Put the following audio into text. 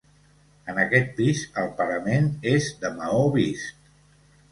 En aquest pis el parament és de maó vist.